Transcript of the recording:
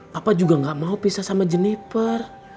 papa juga gak mau pisah sama jenniper